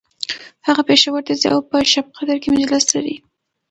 هغه پیښور ته ځي او په شبقدر کی مجلس لري